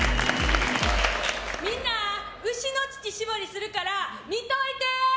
みんな、牛の乳搾りするから見といて！